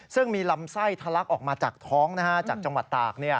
ซึ่งมีลำไส้ทะลักออกมาจากท้องจากจังหวัดตาก